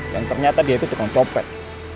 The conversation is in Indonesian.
yang ternyata dia itu tukang copet